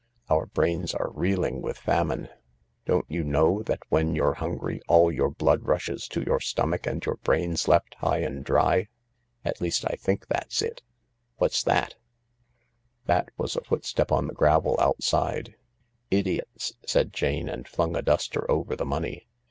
Our brains are reeling with famine. Don't you know when you're hungry all your blood rushes to your stomach and your brain's left high and dry ? At least, I think that's it. What's that ?" 94 THE LARK " That " was a footstep on the gravel outside. " Idiots 1 " said Jane, and flung a duster over the money.